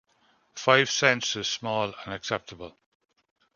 Five cents is small and acceptable.